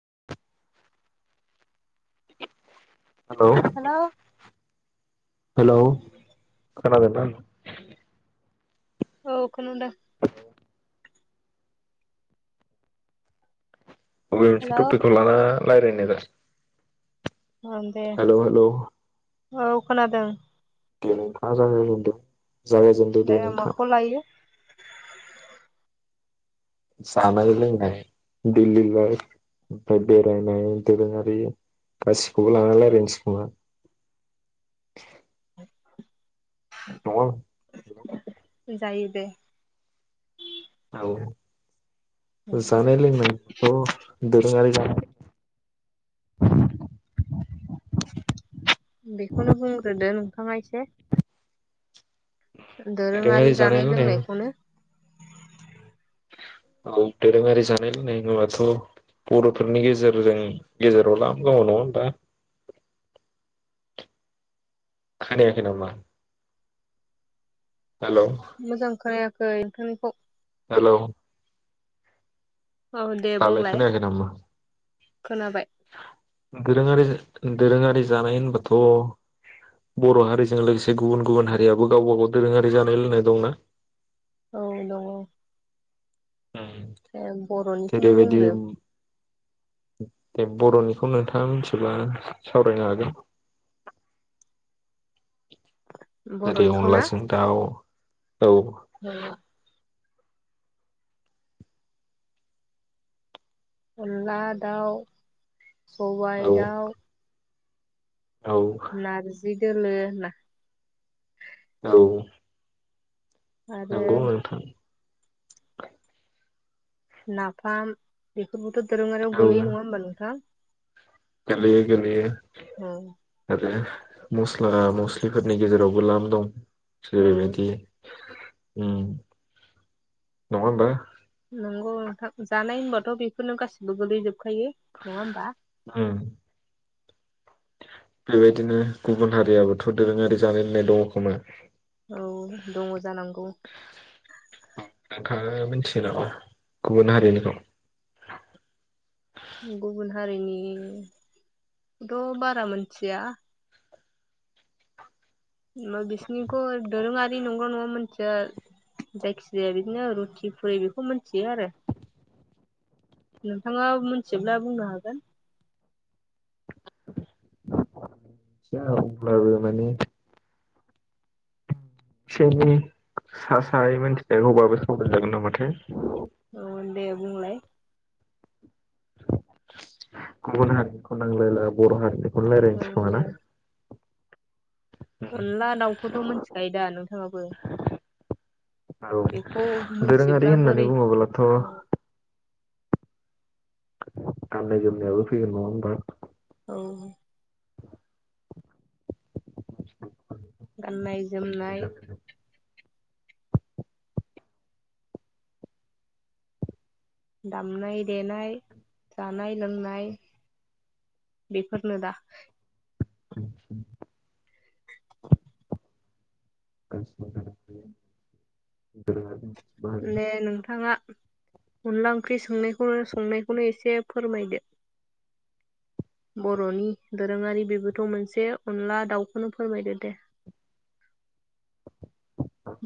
[inaudible] Hello hello खादोंना? औ। खोनदों अबे मोनसे हेलौ टपिकखौ लाना लायरायगोन दा? ओं दे हेल' हेल' औ खोनादों। [unintelligible] जागाय जेनदों दे दै नोंथां माखौ लायो जानाय लोंनाय देलि लाइफ ओमफ्राय बेरायनाय दोरोंङारि गासिखौबो लानानै लायरायसै खोमा [inaudible] नङा जायोदे। औ जानाय लोंनायखौ दोरोङारि [unintelligible] बेखौनो बुंग्रोदो नोंथाङा एसे। दोरोङारि जानाय लोंनायखौनो औ दोरोङारि जानाय लोंनाय होनोबाथ बर'फोरनि गेजेरजों गेजेराव लाम दङ नङा होनबा खोनायाखै नामा? हेलौ मोजां खोनाया गै नोंथांनिखौ हेल' औ दे दालाय बुंलाय खोनायाखै नामा? खोनाबाय। दोरोङारि दोरोङारि जानाय होनबाथ बर हारिजों लोगोसे गुबुन गुबुन हारियाबो गावबागाव दोरोङारि जानाय लोंनाय दंना। औ दङ ओम ए बर'निखौनो जेरैबादि बुंदो दे बर'निखौ नोंथाङा मिथिब्ला सावरायनो हागोन जेरै बर'निखौ ना अनलाजों दाउ औ। अनला दाउ सबाय औ दाउ औ नारजि [unintelligible] औ। आरो नंगौ नोंथां नाफाम बेफोरबोथ दोरोङारियाव औ गोलैयो नङा होमबा नोंथां गोलैयो गोलैयो। ओम। ओह मस्ला मस्लिफोरनि गेजेरावबो लाम दं औ जेरैबादि ओम नङा होनबा? नंगौ नोंथां जानाय होनबाथ बेफोरनो गासिबो गोलैजोब। सखायो नङा होमबा? उम बेबायदिनो गुबुन हारियाबोथ दोरोङारि जानाय लोंनाय दङ खोमा। औ दङ जानांगौ। नोंथाङा मिनथियोनामा गुबुन हारिनिखौ? गुबुन हारिनिखौथ' बारा मोनथिया ओ बिसिोरनिखौ दोरोङारि नंगौना नङा मोनथिया जायखि जाया बिदिनो रुथि फुरि बेखौ मिथियो आरो नोंथाङा मोनथियोब्ला बुंनो हागोन थिया अब्लाबो माने [unintelligible] अब्लाबो स जागोन नामाथाय औ दे बुंलाय गुबुन हारिनिखौ नांलायला बर' हारिनि औ दे अनला दाउखौथ' मोनथिखायो दा नोंथाङाबो औ बेखौ दोरोङारि मोन्थियोब्ला होननानै बोरै बुङोब्लाथ' ओ [unintelligible] औ गाननाय जोमनाय दामनाय देनाय जानाय लोंनाय बेफोरनो दा आस [inaudible] [inaudible] [unintelligible] दे नोंथाङा अनला ओंख्रि संनायखौनो संनायखौनो एसे फोरमायदो बर'नि दोरोङारि बेबोथ' मोनसे अनला दाउखौनो फोरमायदो दे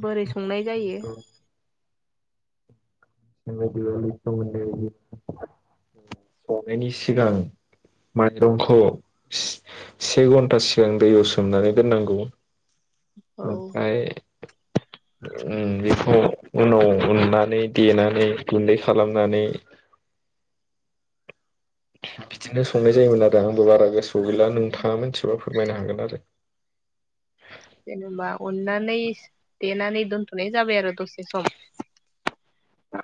बोरै संनाय जायो [unintelligible] संनायनि सिगां माइरंखौ से घन्टा सिगां दैयाव सोमनानै दोननांगौ। औ ओमफ्राय ओम बेखौ उनाव उननानै देनानै गुन्दै खालामनानै बिदिनो संनाय जायोमोन आरो आंबो बारा गोसो थ' गैला नोंथाङा मिथिबा फोरमायनो हागोन आरो जेनेबा उन्नानै देनानै दोनथनाय जाबाय आरो दसे सम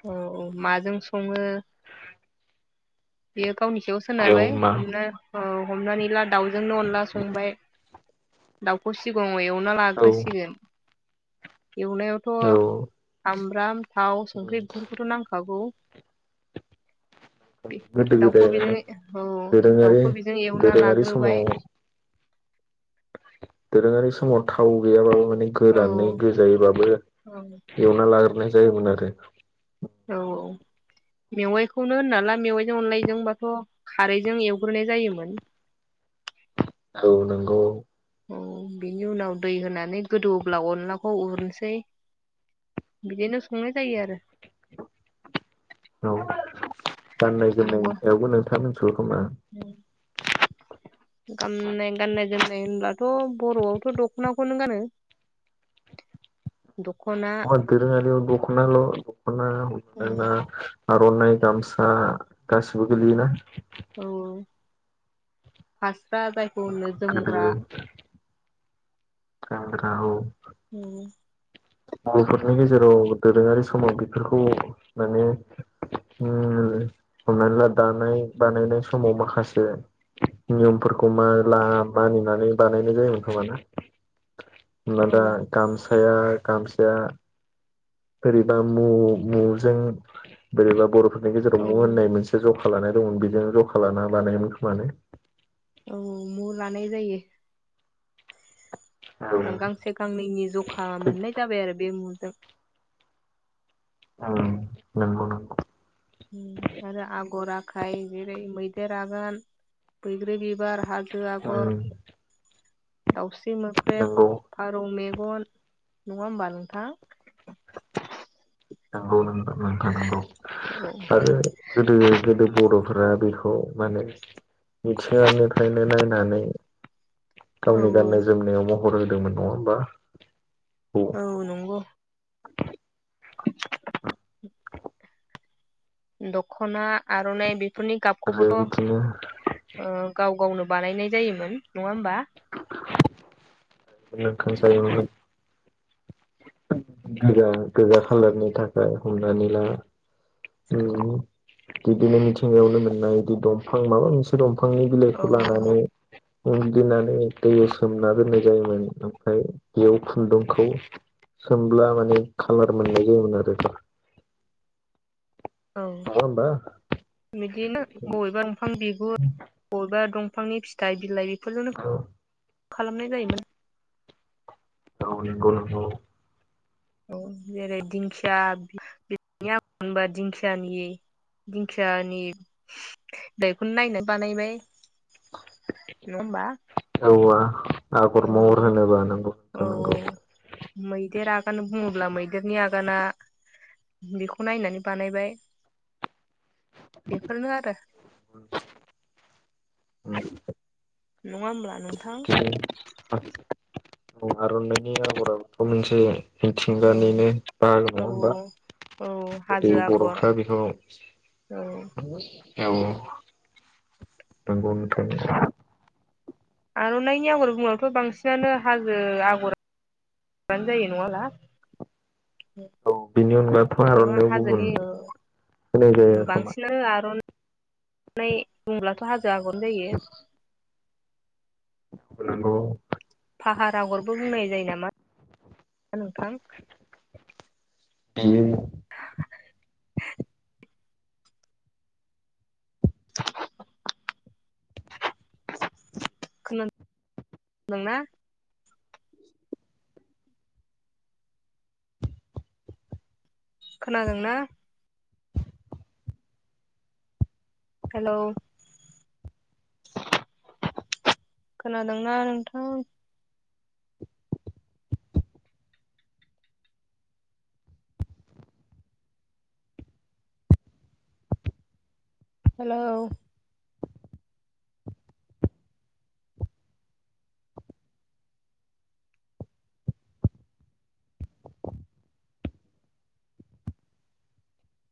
औ औ माजों सङो बे गावनि सायाव औ सोनारबाय मा हमना औ। हमनानै ला दाउजोंनो अनला संबाय। दाउखौ सिगाङाव एवना औ लाग्रोसिगोन। एवनायावथ' औ साम राम थाव संख्रि। नांखागौ। गोदो गोदाय दाउखौ माने बिदिनो औ दोरोङारि दाउखौ बेजों एवना दोरोङारि समाव लाग्रोबाय दोरोङारि समाव थाव गैयाबाबो औ गोरानै गोजायोबाबबो औ एवना लाग्रोनाय जाय मोनाखै औ औ मेवाइखौनो होनो नालाय मेवाइजों अनलायजोंबाथ खारैजों एवग्रोनाय जायोमोन। औ नंगौ औ बिनि उनाव दै होनानै गोदौहोब्ला अनलाखौ उरनोसै बिदिनो संनाय जायो आरो। औ गाननाय नंगौ जोमनायावबो नोंथां [unintelligible] गाननाय गाननाय जोमनाय होनब्लाथ बर'आवथ' दख'नाखौनो गानो। [unintelligible] [unintelligible] [unintelligible] दख'ना आर'नाइ गामसा गासिबो गोलैयोना? औ औ फास दा जायखौ होनो गोदो जोमग्रा [unintelligible] उ बर'फोरनि गेजेराव दोरोङारि समाव बेफोरखौ माने हमनानै ला दानाय बानायनाय समाव माखासे नियमफोरखौ मा मानिनानै बानायनाय जायोमोन खोमाना? [unintelligible] औ ओ गामसाया बोरैबा मुजों बोरैबा बर'फोर औ गेजेराव मु होननाय मोनसे लानाय दंमोन बेजोंनो ज'खा लानानै लानायमोन खोमानो औ मु लानाय जायो। औ ओं गांसे गांनैनि जखा थिग मोननाय जाबाय आरो बे [unintelligible] ओं नंगौ नंगौ। आरो आगर आखाय जेरै मैदेर आगान बैग्रि बिबार हा हाजो आगर दाउसि मोक्रेब ओं नंगौ फारौ नङा होमबा नोंथां नंगौ थानांगौ औ आरो गोदो गोदो बर'फोरा बे [unintelligible] माने मिथिंगानिफ्रायनो नायनानै गावनि औ गाननाय जोमनायाव फर' होदोंमोन नङा होमबा औ नंगौ [inaudible] दखना आरनाय बि फोरनि आरो गाबखौबोथ'ओ बिदिनो गाव गावनो बानायनाय जायोमोन नङा होमबा खां जायोमोन गोजा गोजा खालारनि थाखाय हमनानै ला बिदिनो मिथिंगायावनो मोननाय बिदि दंफां माबा मोनसे दं बिफांनि औ बिलाइखौ लानानै उम फुदिनानै दै सोमना दोननाय जायोमोन ओमफ्राय बेयाव खुन्दुंखौ सोमब्ला माने कालार मोननाय जायोमोन आरो ना औ बिदिनो बबेबा दंफां बि [unintelligible] दंफांनि फिथाइ बिलाइ [unintelligible] औ खालामनाय जायोमोन औ नंगा नंगौ औ जेरै दिंखिया बेनि दिंखियानि दिंखियानि दाखौनो नायना बानायबाय नङा होमबा [inaudible] औआ औ आगर महर होनो बानांगौ औ थांनांगौ मैदेर आगान बुङोब्ला मैदेरनि आ गाना बेखौ नायनानै बानायबाय बेफोरनो आरो ओम नङा होनब्ला? [inaudible] औ आर'नायनि आगरथ' मोनसे औ मिथिंगानिनो बाहागो नङा औ औ होमबा औ बे हाजो आगर बरफ्रा बेखौ औ औ नंगौ नोंथां आरनाइनि आगर बङोबाथ बांसिनानो हाजो आगरबानो जायो नङाब्ला औ बिनि अनगा आरनायाव गुबुन हाजोनि होनाय जाया खोमा नाय बुंब्लाथ' हाजो जागर जायो नांगौ फाहार आगरबो बुंनाय जायो नामा नोंथां बेयो खोना दोंना खोनादोंना? हेलोव खोनादोंना नोंथा। हेलोव।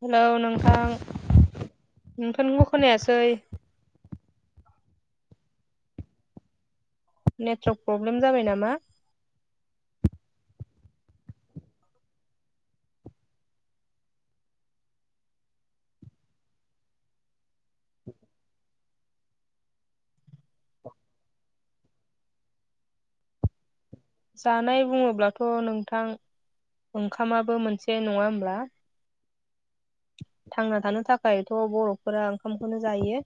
हेलौ नोंथां नोंथांनिखौ खोनायासै। नेतवर्क प्रब्लेम जाबायनामा। जानाय बुङोब्लाथ' नोंथां ओंखामाबोमोनसे नङाहोमब्ला। थांनाथानो थाखायथ बर'फोरा ओंखामखोनोजायो।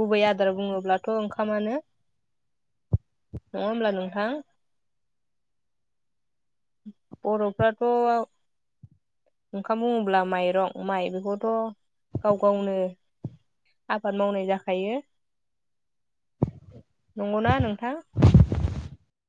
गुबै आदार बुङोब्लाथ ओंखामानो नङाहोमब्ला नोंथां। बर'फोराथ ओंखाम बुङोब्ला माइरं माइ बेखौथ गाव गावनो आबादमावनाय जाखायो नंगौना नोंथां।